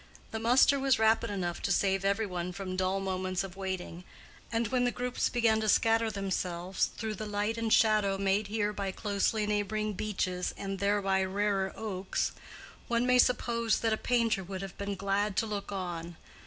The muster was rapid enough to save every one from dull moments of waiting, and when the groups began to scatter themselves through the light and shadow made here by closely neighboring beeches and there by rarer oaks, one may suppose that a painter would have been glad to look on.